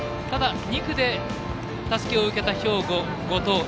ただ２区でたすきを受けた兵庫、後藤。